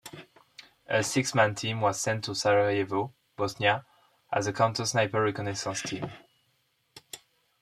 A six-man team was sent to Sarajevo, Bosnia as a counter-sniper reconnaissance team.